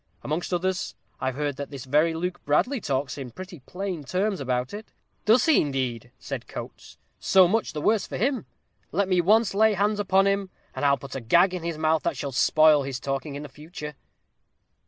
Amongst others, I've heard that this very Luke Bradley talks in pretty plain terms about it." "Does he, indeed?" said Coates. "So much the worse for him. Let me once lay hands upon him, and I'll put a gag in his mouth that shall spoil his talking in the future."